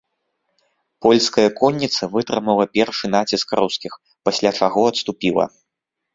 Польская конніца вытрымала першы націск рускіх, пасля чаго адступіла.